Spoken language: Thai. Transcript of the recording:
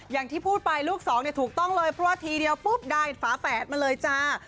อย่างที่พูดไปลูกสองเนี่ยถูกต้องเลยเพราะว่าทีเดียวปุ๊บได้ฝาแฝดมาเลยจ้า